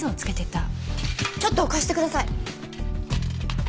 ちょっと貸してください。